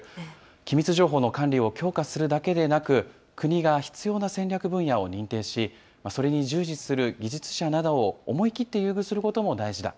機密情報の管理を強化するだけでなく、国が必要な戦略分野を認定し、それに従事する技術者などを思い切って優遇することも大事だ。